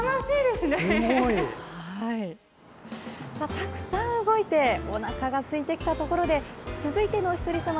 たくさん動いておなかがすいてきたところで続いてのおひとりさま